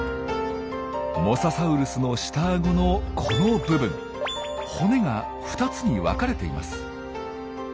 モササウルスの下あごのこの部分骨が２つに分かれています。